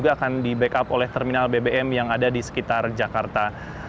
dan akan didukung oleh terminal bbm plumpang yang ada di sekitar jakarta